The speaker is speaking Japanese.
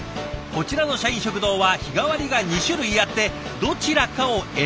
こちらの社員食堂は日替わりが２種類あってどちらかを選ぶスタイル。